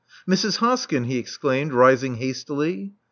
Mrs. Hoskyn! he exclaimed, rising hastily.